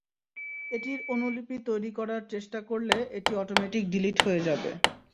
এটির অনুলিপি তৈরি করার চেষ্টা করলে এটি অটোমেটিক ডিলিট হয়ে যাবে।